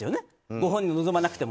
ご本人が望まなくても。